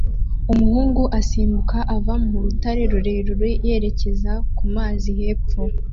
Umuhungu asimbuka ava mu rutare rurerure yerekeza ku mazi hepfo